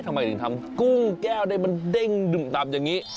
ทำไมถึงทำกุ้งแก้วได้มันเด้งดุ่มต่ำอย่างนี้